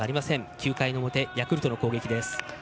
９回の表、ヤクルトの攻撃です。